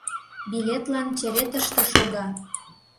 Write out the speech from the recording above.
— Билетлан черетыште шога.